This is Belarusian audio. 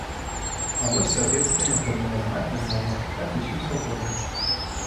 А вось савецкія нагрудныя знакі можна купляць зусім свабодна.